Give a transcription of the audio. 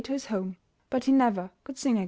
to his home. But he never could sing again.